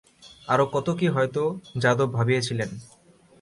আরও কত কী হয়তো যাদব ভাবিয়াছিলেন।